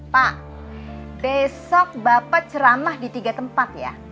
pak besok bapak ceramah di tiga tempat ya